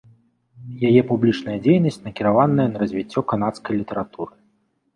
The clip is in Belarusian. Яе публічная дзейнасць накіраваная на развіццё канадскай літаратуры.